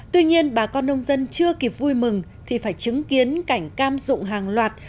tuy nhiên bà con nông dân chưa kịp vui mừng thì phải chứng kiến cảnh cam dụng hàng loạt